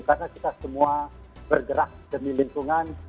karena kita semua bergerak demi lingkungan